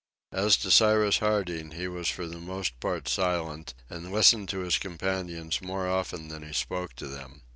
As to Cyrus Harding he was for the most part silent, and listened to his companions more often than he spoke to them.